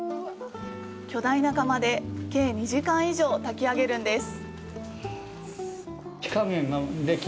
巨大な釜で、計２０時間以上、炊き上げるんです。